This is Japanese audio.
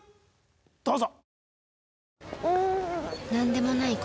どうぞ。